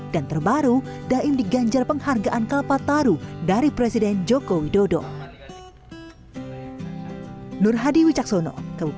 dan terbaru daim diganjar penghargaan kalpataru dari presiden joko widodo